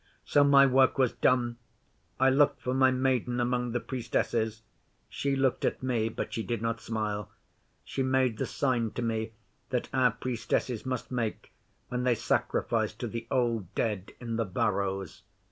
So my work was done. I looked for my Maiden among the Priestesses. She looked at me, but she did not smile. She made the sign to me that our Priestesses must make when they sacrifice to the Old Dead in the Barrows.